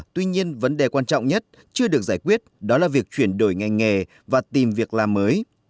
tuy nhiên vấn đề quan trọng nhất chưa được giải quyết đó là việc chuyển đổi ngành nghề và tìm việc làm mới